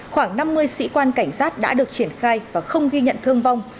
khoảng năm mươi sĩ quan cảnh sát đã được triển khai và không ghi nhận thương vong